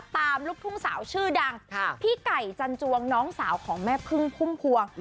ลูกทุ่งสาวชื่อดังพี่ไก่จันจวงน้องสาวของแม่พึ่งพุ่มพวง